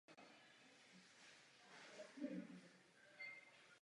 Následně pracovala jako učitelka odborných předmětů na Integrované střední škole v Chrudimi.